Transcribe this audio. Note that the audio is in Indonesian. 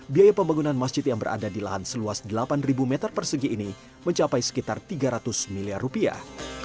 biaya pembangunan masjid yang berada di lahan seluas delapan meter persegi ini mencapai sekitar tiga ratus miliar rupiah